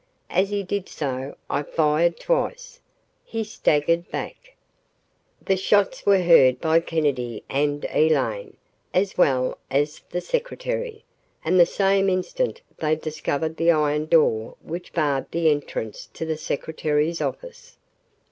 As he did so, I fired twice. He staggered back. ........ The shots were heard by Kennedy and Elaine, as well as the secretary, and at the same instant they discovered the iron door which barred the entrance to the secretary's office.